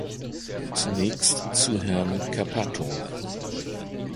Zunächst zu Herrn Cappato.